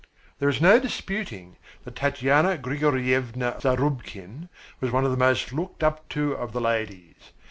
There is no disputing that Tatyana Grigoryevna Zarubkin was one of the most looked up to of the ladies.